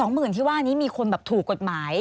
หมื่นที่ว่านี้มีคนแบบถูกกฎหมาย